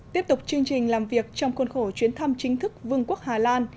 tiếp tục chương trình làm việc trong khuôn khổ chuyến thăm chính thức vương quốc hà lan